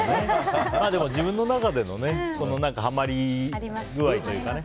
でも自分の中でのハマり具合というかね。